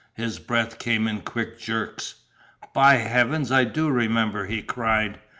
His breath came in quick jerks. "By Heaven, I do remember!" he cried.